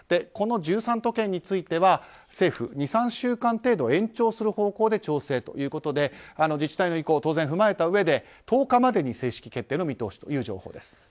この１３都県については政府政府、２３週間程度延長する方向で調整ということで自治体の意向は当然踏まえたうえで１０日までに正式決定の見通しという情報です。